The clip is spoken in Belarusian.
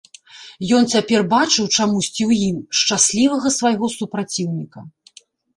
Ён цяпер бачыў чамусьці ў ім шчаслівага свайго супраціўніка.